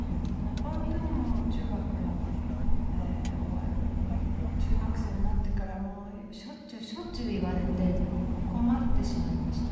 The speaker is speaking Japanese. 本当にもう中学の終わり中学生になってからもうしょっちゅうしょっちゅう言われて困ってしまいました。